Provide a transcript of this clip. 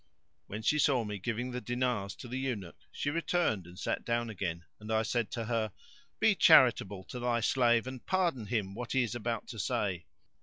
When she saw me giving the dinars to the eunuch, she returned and sat down again; and I said to her, "Be charitable to thy slave and pardon him what he is about to say."